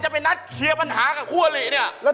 จะไปนัดเคลียร์ปัญหากับพวกอะไรนี่